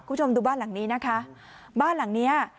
คุณผู้ชมดูบ้านหลังนี้นะคะบ้านหลังเนี้ย